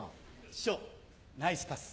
師匠ナイスパス